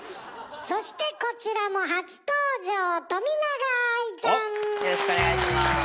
そしてこちらもよろしくお願いします。